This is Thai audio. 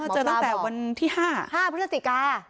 เจอตั้งแต่วันที่๕๕พฤศจิกา